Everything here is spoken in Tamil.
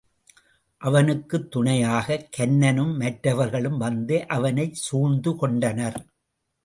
அவனுக்குத் துணையாகக் கன்னனும் மற்றவர்களும் வந்து அவனைச் சூழ்ந்து கொண்டனர்.